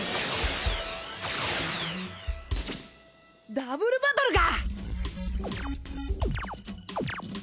ダブルバトルか！